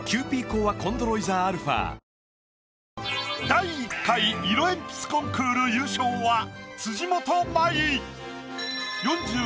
第１回色鉛筆コンクール優勝は辻元舞！